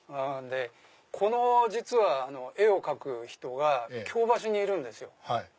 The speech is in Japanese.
この実は絵を描く人が京橋にいるんですよ。